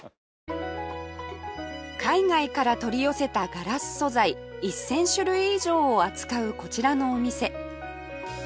海外から取り寄せたガラス素材１０００種類以上を扱うこちらのお店